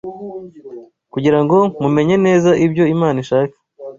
kugira ngo mumenye neza ibyo Imana ishaka,